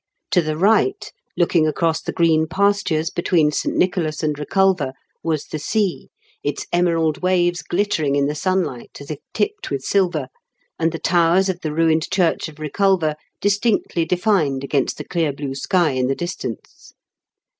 To the right, looking across the green pastures between St. Nicholas and Eeculver, was the sea, its emerald waves glittering in the sunlight as if tipped with silver, and the towers of the ruined church of Eeculver distinctly defined against the clear blue sky in the dis tance.